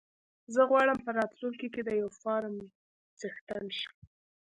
زه غواړم په راتلونکي کې د يو فارم څښتن شم.